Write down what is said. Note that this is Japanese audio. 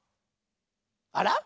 あら？